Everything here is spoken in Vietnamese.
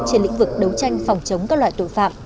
trên lĩnh vực đấu tranh phòng chống các loại tội phạm